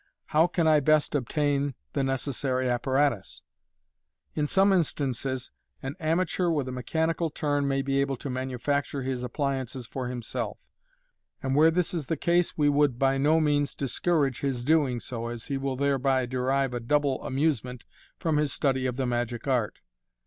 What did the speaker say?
" How can I best obtain the necessary apparatus ?" In some instances, an amateur with a mechanical turn may be able to manufacture his appliances for himself , and where this is the case, we would by no means discourage his doing so, as he will thereby derive a double amusement from his study of the magic art.